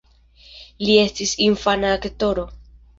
Li estis infana aktoro.